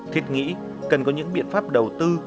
thiệt nghĩ cần có những biện pháp đầu tư